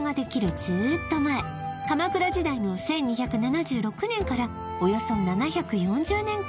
ずーっと前鎌倉時代の１２７６年からおよそ７４０年間